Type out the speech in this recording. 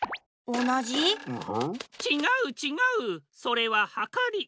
ちがうちがうそれははかり。